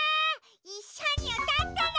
いっしょにうたってね！